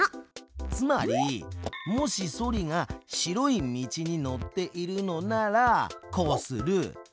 つまりもしソリが白い道に乗っているのならこうする。